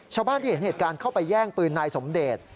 ชาวบ้านที่เห็นเหตุการณ์เข้าไปแย่งปืนนายสมเดช